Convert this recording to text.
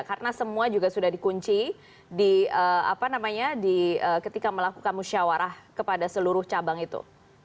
karena semua juga sudah di kunci di ketika melakukan musyawarah kepada seluruh negara